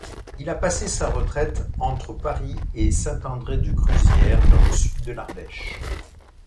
Il a passé sa retraite entre Paris et Saint-André-de-Cruzières, dans le sud de l'Ardèche.